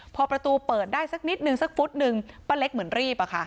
พอประตูเปิดได้สักนิดนึงสักฟุตหนึ่งป้าเล็กเหมือนรีบอะค่ะ